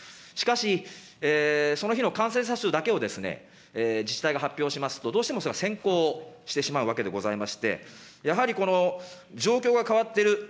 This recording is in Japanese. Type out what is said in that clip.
しかし、その日の感染者数だけを自治体が発表しますと、どうしてもそれが先行してしまうわけでございまして、やはりこの状況が変わっている、